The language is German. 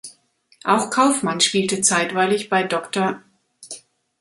Auch Kaufmann spielte zeitweilig bei „Dr.